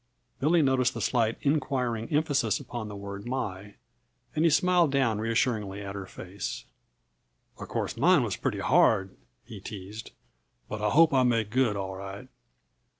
Billy noticed the slight, inquiring emphasis upon the word my, and he smiled down reassuringly into her face. "Uh course mine was pretty hard," he teased, "but I hope I made good, all right."